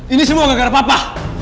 ini semua nggak ada apa apa